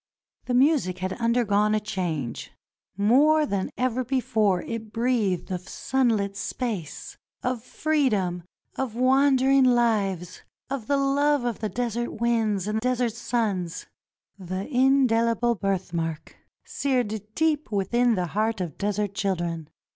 The music had undergone a change — more than ever before it breathed of sunlit space, of freedom, of wander ing lives, of the love of desert winds and desert suns — the indehble birthmark — seared deep within the heart of desert children.